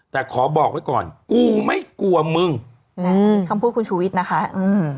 แต่ขอบอกไว้ก่อนกูไม่กลัวมึงอืมคำพูดคุณชูวิทย์นะคะอืม